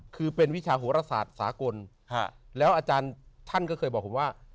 คือเป็นวิชาโหรศาสตร์สากลแล้วอาจารย์ท่านก็เคยบอกผมว่า